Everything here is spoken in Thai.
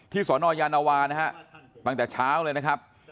ที่สร้อนอย่างนาวานะครับตั้งแต่เช้าเลยนะครับ